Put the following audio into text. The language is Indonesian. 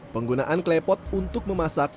penggunaan klepot untuk memasak